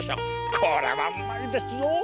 これはうまいですぞ！